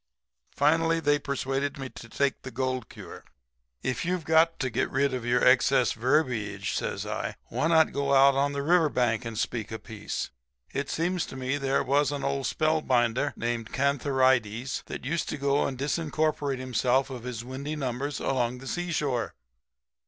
Finally, they persuaded me to take the gold cure.' "'If you've got to get rid of your excess verbiage,' says I, 'why not go out on the river bank and speak a piece? It seems to me there was an old spell binder named Cantharides that used to go and disincorporate himself of his windy numbers along the seashore.'